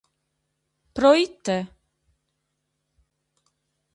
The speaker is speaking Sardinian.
Pro ite?